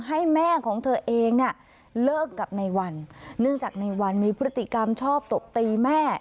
ให้แม่ของเธอเองเนี่ยเลิกกับในวันเนื่องจากในวันมีพฤติกรรมชอบตบตีแม่